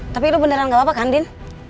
tapi lu benar benar tidak apa apa kan din